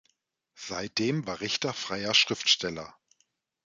Seitdem war Richter freier Schriftsteller.